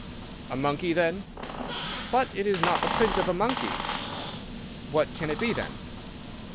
"A monkey, then?" "But it is not the print of a monkey." "What can it be, then?"